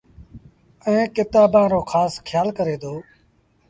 ائيٚݩ ڪتآݩبآݩ رو کآس کيآل ڪري دو